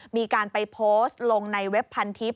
มีการไปโพสต์ลงในเว็บพันทิพย